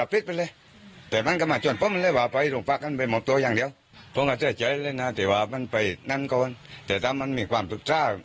ผมจะจะเช้เลยนะเดี๋ยวว่ามันไปงั้นก่อนแต่ตามันมีความศึกษากัน